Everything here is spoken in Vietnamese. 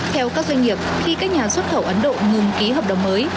theo các doanh nghiệp khi các nhà xuất khẩu ấn độ ngừng ký hợp đồng mới